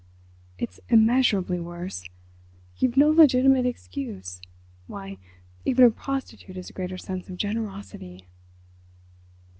"It's immeasurably worse—you've no legitimate excuse. Why, even a prostitute has a greater sense of generosity!"